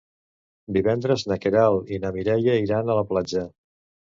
Divendres na Queralt i na Mireia iran a la platja.